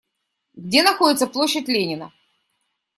Где находится площадь Ленина?